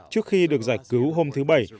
trước khi được giải cứu hôm thứ bảy